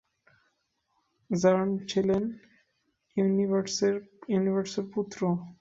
RAND ছিলেন ইউনিভার্সোর পুত্র।